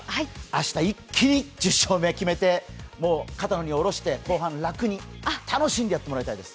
明日、一気に１０勝目を決めて肩の荷を降ろして、後半楽に楽しんでやってもらいたいです。